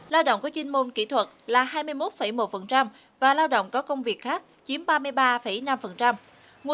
lao động có chuyên môn kỹ thuật là hai mươi một một và lao động có công việc khác chiếm ba mươi ba năm